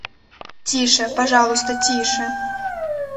— Тише, пожалуйста, тише!